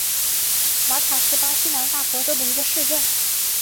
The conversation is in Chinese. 马塔是巴西南大河州的一个市镇。